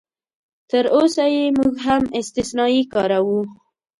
تراوسه یې موږ هم استثنایي کاروو.